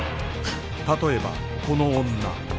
例えばこの女